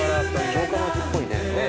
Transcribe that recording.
城下町っぽいね。